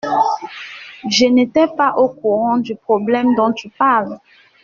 Je n'étais pas au courant du problème dont tu parles.